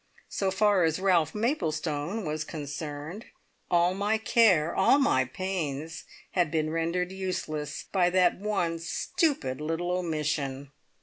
So far as Ralph Maplestone was concerned, all my care, all my pains, had been rendered useless by that one stupid little omission!